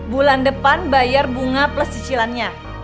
bulan depan bayar bunga plus cicilannya